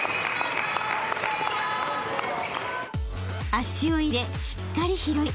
［足を入れしっかり拾い